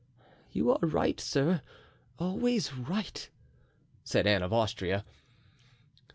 "You are right, sir, always right," said Anne of Austria.